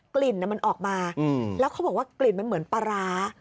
กลิ่นมันออกมาแล้วเขาบอกว่ากลิ่นมันเหมือนปลาร้า